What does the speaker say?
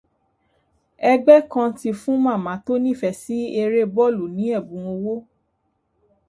Ẹgbẹ́ kan ti fún màmá tó nífẹ̀ẹ́ sí eré bọ́ọ̀lù ní ẹ̀bùn owó.